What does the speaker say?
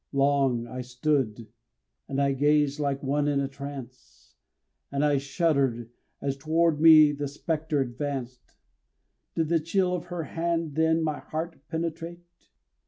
Long I stood, and I gazed like one in a trance, And I shuddered as toward me the specter advanced; Did the chill of her hand then my heart penetrate?